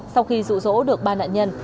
sau khi dụ dỗ được ba nạn nhân